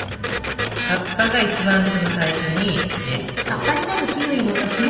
葉っぱが一番その最初にえっと内側。